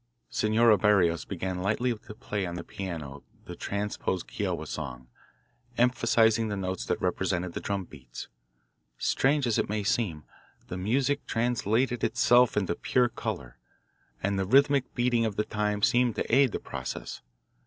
Senora Barrios began lightly to play on the piano the transposed Kiowa song, emphasising the notes that represented the drum beats. Strange as it may seem, the music translated itself into pure colour and the rhythmic beating of the time seemed to aid the process.